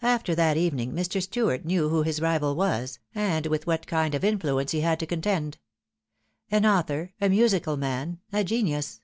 After that evening Mr. Stuart knew who his rival was, and with what kind of influence he had to contend. An author, a musical man, a genius